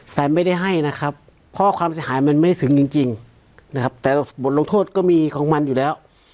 ไม่ได้ให้นะครับเพราะความเสียหายมันไม่ได้ถึงจริงนะครับแต่บทลงโทษก็มีของมันอยู่แล้ว